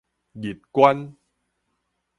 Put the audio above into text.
日冠